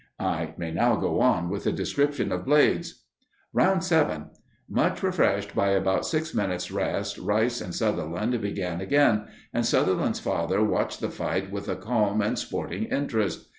I may now go on with the description of Blades. Round 7. Much refreshed by about six minutes' rest, Rice and Sutherland began again, and Sutherland's father watched the fight with a calm and sporting interest.